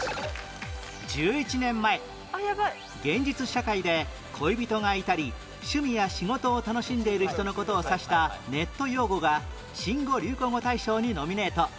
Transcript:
１１年前現実社会で恋人がいたり趣味や仕事を楽しんでいる人の事を指したネット用語が新語・流行語大賞にノミネート